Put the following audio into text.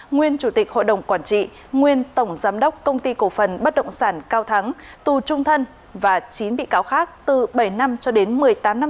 nguyên chủ tịch hội đồng quản trị nguyên tổng giám đốc công ty cổ phần bất động sản cao thắng tù trung thân và chín bị cáo khác từ bảy năm cho đến một mươi tám năm tù